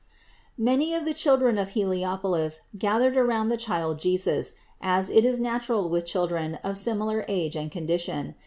697. Many of the children of Heliopolis gathered around the Child Jesus, as it is natural with children of similar age and condition.